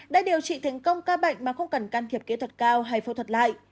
đã điều trị thành công ca bệnh mà không cần can thiệp kỹ thuật cao hay phẫu thuật lại